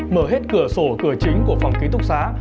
mở hết cửa sổ cửa chính của phòng ký túc xá